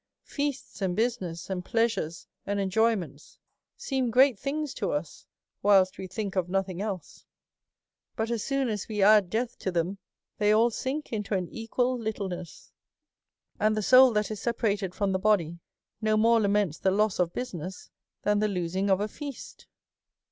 Feasts, and business, and pleasures, and enjoyments, seem great things to us, whilst we think of nothing else ; but as soon as we 28 A SERIOUS CALL TO A add death to them, they all sink into an equal little ness ; and the soul that is separated from the body no more laments the loss of business than the losing of a feast.